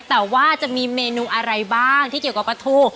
แต่ว่าจะมีเมนูอะไรบ้างที่เกี่ยวกับปลาทู